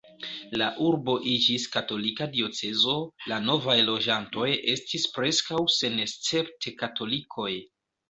La urbo iĝis katolika diocezo, la novaj loĝantoj estis preskaŭ senescepte katolikoj.